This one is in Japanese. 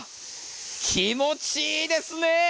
気持ちいいですね。